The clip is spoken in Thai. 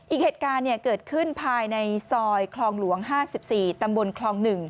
อีกเหตุการณ์เกิดขึ้นภายในซอยคลองหลวง๕๔ตำบลคลอง๑